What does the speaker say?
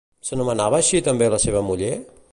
S'anomenava així també la seva muller?